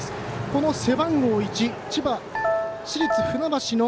この背番号１千葉、市立船橋の